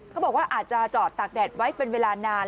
เขาบอกว่าอาจจะจอดตากแดดไว้เป็นเวลานาน